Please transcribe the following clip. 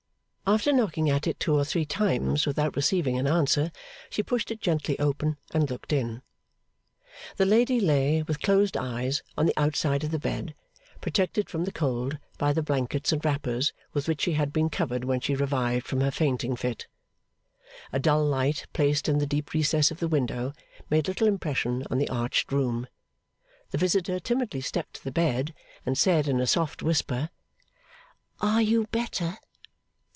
After knocking at it two or three times without receiving an answer, she pushed it gently open, and looked in. The lady lay with closed eyes on the outside of the bed, protected from the cold by the blankets and wrappers with which she had been covered when she revived from her fainting fit. A dull light placed in the deep recess of the window, made little impression on the arched room. The visitor timidly stepped to the bed, and said, in a soft whisper, 'Are you better?